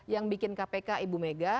yang bikin kpk ibu mega